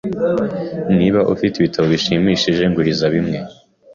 Niba ufite ibitabo bishimishije, nguriza bimwe.